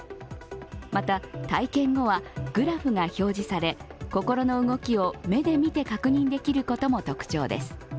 また、体験後はグラフが表示され心の動きを目で見て確認できることも特徴です。